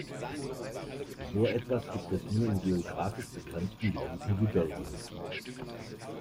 So etwas gibt es nur in geographisch begrenzten Gebieten wie Belgien.